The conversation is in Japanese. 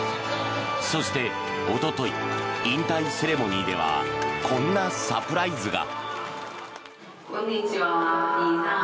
そして、おととい引退セレモニーではこんなサプライズが。